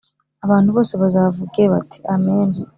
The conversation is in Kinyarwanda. Abantu bose bazavuge bati Amen